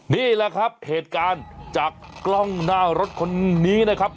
นี่แหละครับเหตุการณ์จากกล้องหน้ารถคนนี้นะครับ